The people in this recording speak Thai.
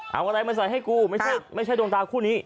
เอาอะไรมาใส่ให้กูไม่ใช่ดวงตาคู่นี้